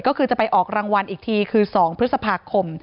ก็คือจะไปออกรางวัลอีกทีคือ๒พฤษภาคม